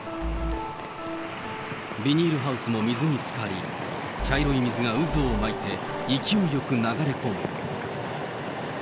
ビニールハウスも水につかり、茶色い水が渦を巻いて、勢いよく流れ込む。